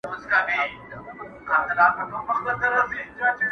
پر ښار ختلې د بلا ساه ده؛